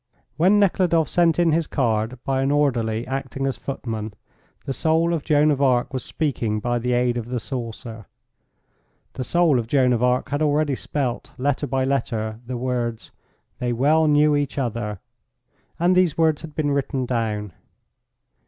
When Nekhludoff sent in his card by an orderly acting as footman, the soul of Joan of Arc was speaking by the aid of the saucer. The soul of Joan of Arc had already spelt letter by letter the words: "They well knew each other," and these words had been written down.